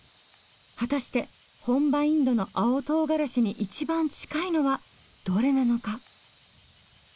果たして本場インドの青とうがらしに一番近いのはどれなのか？